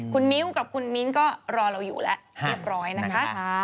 คุณมิ้วกับคุณมิ้นก็รอเราอยู่แล้วเรียบร้อยนะคะ